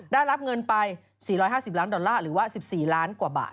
ได้รับเงินไป๔๕๐ล้านดอลลาร์หรือว่า๑๔ล้านกว่าบาท